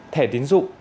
thẻ tiến dụng